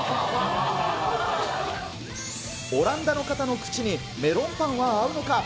オランダの方の口にメロンパンは合うのか。